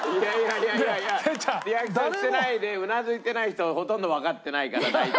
リアクションしてないでうなずいてない人ほとんどわかってないから大体。